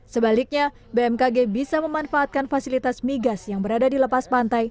sebaliknya bmkg bisa memanfaatkan fasilitas migas yang berada di lepas pantai